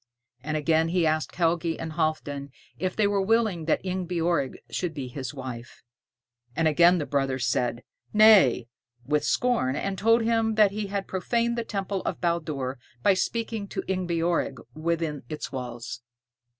And again he asked Helgi and Halfdan if they were willing that Ingebjorg should be his wife. And again the brothers said, Nay, with scorn, and told him that he had profaned the temple of Baldur by speaking to Ingebjorg within its walls.